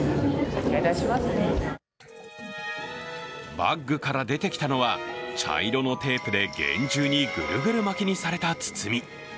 バッグから出てきたのは、茶色のテープで厳重にグルグル巻きにされた包み。